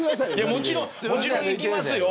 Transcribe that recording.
もちろん、行きますよ。